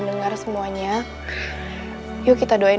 dan sangat maju dyingin